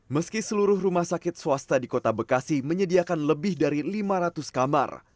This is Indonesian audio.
meski seluruh rumah sakit swasta di kota bekasi menyediakan lebih dari lima ratus kamar